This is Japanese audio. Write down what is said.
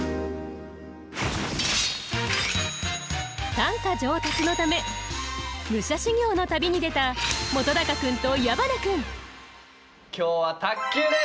短歌上達のため武者修行の旅に出た本君と矢花君今日は卓球です。